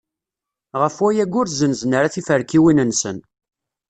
Ɣef wayagi ur zzenzen ara tiferkiwin-nsen.